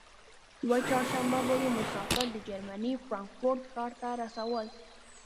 یوه چهارشنبه به یې مسافر د جرمني فرانکفورت ښار ته رسول.